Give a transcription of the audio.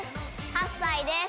８歳です。